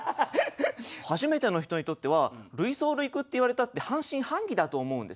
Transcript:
初めての人にとっては類想類句って言われたって半信半疑だと思うんですよね。